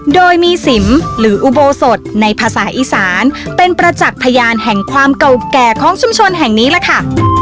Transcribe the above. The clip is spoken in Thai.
โดยมีสิมหรืออุโบสถในภาษาอีสานเป็นประจักษ์พยานแห่งความเก่าแก่ของชุมชนแห่งนี้ล่ะค่ะ